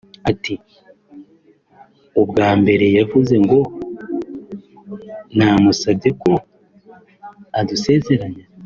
ati “Ubwa mbere yaravuze ngo namusabye ko adusezeranya